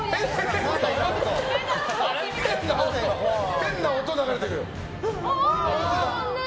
変な音が出てる。